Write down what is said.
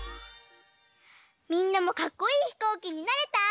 みんなもかっこいいひこうきになれた？